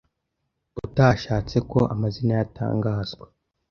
utashatse ko amazina ye atangazwa,